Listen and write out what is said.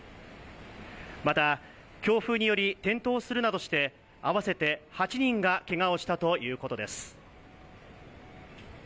また、強風により転倒するなどして合わせて８人がけがをしたということです。